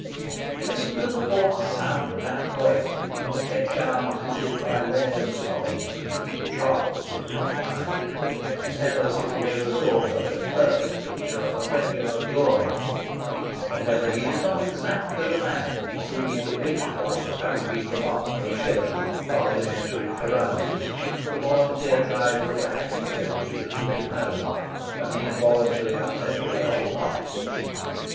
Listen to the hoarse sound of that voice, kept down as it is by layers of solids, and deep draughts of rich wine, and tell us if you ever saw such a perfect picture of a regular gourmand ; and whether he is not exactly the man whom you would pitch upon as having been the partner of Sheridan's parliamentary carouses, the volunteer driver of the hackney coach that took him home, and the involuntary upsetter of the whole party